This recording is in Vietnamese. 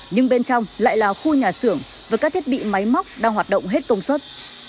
nhưng bên trong lại là khu nhà xưởng và các thiết bị máy móc đang hoạt động hết công suất